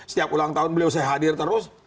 setiap ulang tahun beliau saya hadir terus